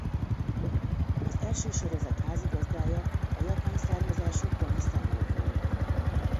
Az első sorozat házigazdája a japán származású Tony Sano volt.